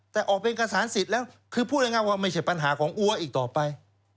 แต่ออกเป็นกระสารสิทธิ์แล้วคือพูดง่ายว่าไม่ใช่ปัญหาของอัวอีกต่อไป